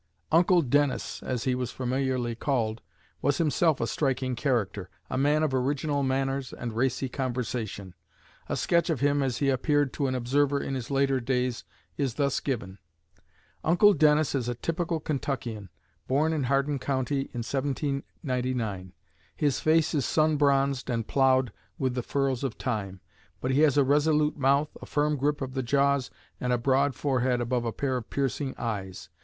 "Uncle Dennis," as he was familiarly called, was himself a striking character, a man of original manners and racy conversation. A sketch of him as he appeared to an observer in his later days is thus given: "Uncle Dennis is a typical Kentuckian, born in Hardin County in 1799. His face is sun bronzed and ploughed with the furrows of time, but he has a resolute mouth, a firm grip of the jaws, and a broad forehead above a pair of piercing eyes.